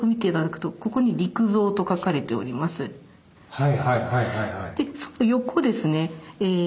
はいはいはいはいはい。